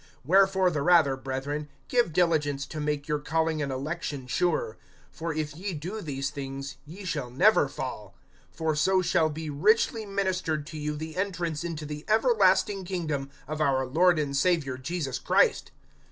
(10)Wherefore the rather, brethren, give diligence to make your calling and election sure; for if ye do these things, ye shall never fall. (11)For so shall be richly ministered to you the entrance into the everlasting kingdom of our Lord and Savior Jesus Christ.